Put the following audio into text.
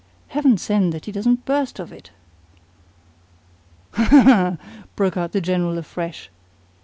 Heaven send that he doesn't burst of it!" "Ha, ha, ha!" broke out the General afresh.